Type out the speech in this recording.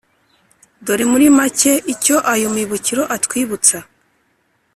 dore muri make icyo ayo mibukiro atwibutsa :